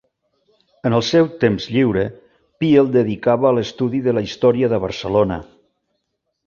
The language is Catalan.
En el seu temps lliure Pi el dedicava a l'estudi de la història de Barcelona.